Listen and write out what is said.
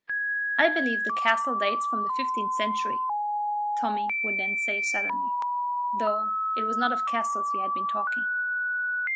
"I believe the castle dates from the fifteenth century," Tommy would then say suddenly, though it was not of castles he had been talking.